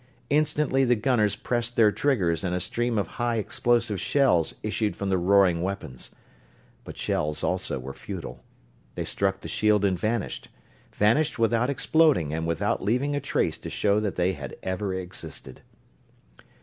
Instantly the gunners pressed their triggers and a stream of high explosive shells issued from the roaring weapons. But shells, also, were futile. They struck the shield and vanished vanished without exploding and without leaving a trace to show that they had ever existed.